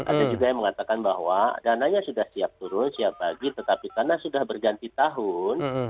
ada juga yang mengatakan bahwa dananya sudah siap turun siap bagi tetapi karena sudah berganti tahun